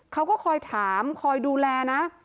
เขาก็คอยถามคอยดูแลนะ